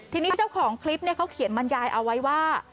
ทีนี้เจ้าของคลิปเขาเขียนบรรยายเอาไว้ว่า